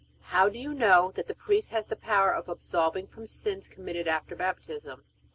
How do you know that the priest has the power of absolving from the sins committed after Baptism? A.